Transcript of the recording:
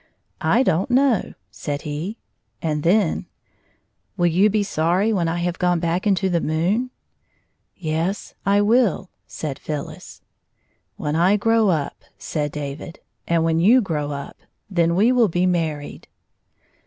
" I don't know," said he, and then — "Will you be sorry when I have gone back into the moon ?"" Yes ; I will," said PhyUis. " When I grow up," said David, " and when you grow up, then we will be married."